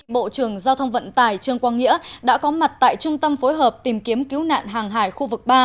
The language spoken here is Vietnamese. bộ trưởng giao thông vận tải trương quang nghĩa đã có mặt tại trung tâm phối hợp tìm kiếm cứu nạn hàng hải khu vực ba